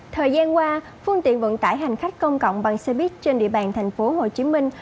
thời gian qua phương tiện vận tải hành khách công cộng bằng xe buýt trên địa bàn thành phố hồ chí minh